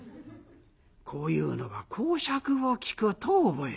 こういうのは講釈を聴くと覚える。